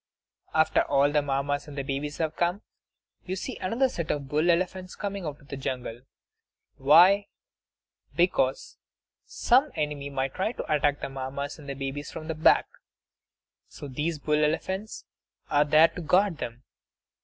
After all the Mammas and babies have come, you see another set of bull elephants coming out of the jungle. Why? Because some enemy might try to attack the Mammas and the babies from the back; so these bull elephants are there to guard them.